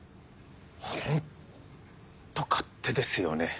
ホント勝手ですよね。